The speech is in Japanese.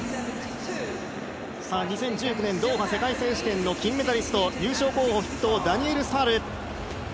２０１９年ドーハ世界選手権の金メダリスト、優勝候補筆頭のダニエル・スタール。